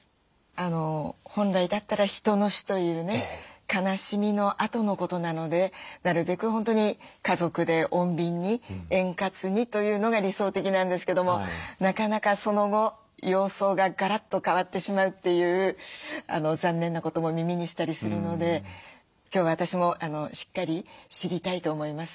本来だったら人の死というね悲しみのあとのことなのでなるべく本当に家族で穏便に円滑にというのが理想的なんですけどもなかなかその後様相がガラッと変わってしまうという残念なことも耳にしたりするので今日は私もしっかり知りたいと思います。